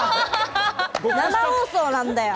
生放送なんだよ！